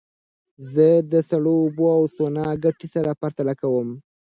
زه د سړو اوبو او سونا ګټې سره پرتله کوم.